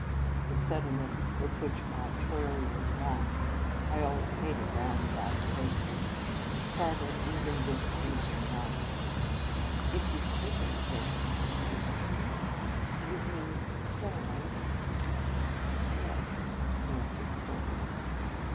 The suddenness with which my query was launched (I always hated roundabout approaches) startled even this seasoned nun. " If you ve taken a thing," she echoed. " Do you mean stolen?" " Yes," I answered stolidly.